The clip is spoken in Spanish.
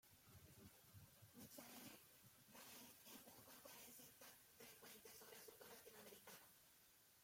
Michael Reid es un conferencista frecuente sobre asuntos latinoamericanos.